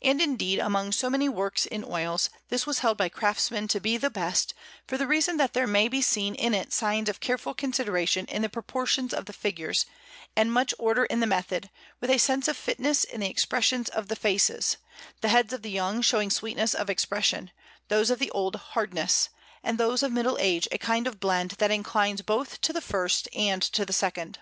And indeed, among so many works in oils, this was held by craftsmen to be the best, for the reason that there may be seen in it signs of careful consideration in the proportions of the figures, and much order in the method, with a sense of fitness in the expressions of the faces, the heads of the young showing sweetness of expression, those of the old hardness, and those of middle age a kind of blend that inclines both to the first and to the second.